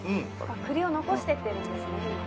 栗を残していってるんですね